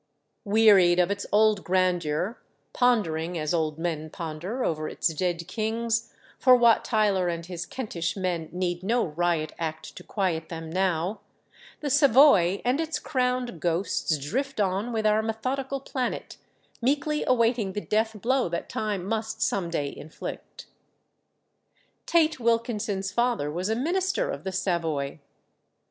Wearied of its old grandeur, pondering, as old men ponder, over its dead kings for Wat Tyler and his Kentish men need no Riot Act to quiet them now the Savoy and its crowned ghosts drift on with our methodical planet, meekly awaiting the death blow that time must some day inflict. Tait Wilkinson's father was a minister of the Savoy.